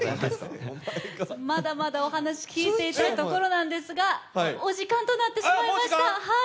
まだまだお話聞いていたいところなんですがお時間となってしまいました。